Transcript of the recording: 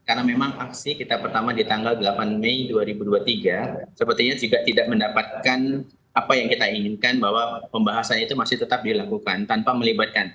karena memang aksi kita pertama di tanggal delapan mei dua ribu dua puluh tiga sepertinya juga tidak mendapatkan apa yang kita inginkan bahwa pembahasan itu masih tetap dilakukan tanpa melibatkan